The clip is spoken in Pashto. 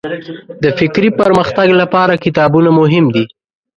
د فکري پرمختګ لپاره کتابونه مهم دي.